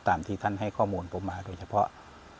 ที่ท่านให้ข้อมูลผมมาโดยเฉพาะ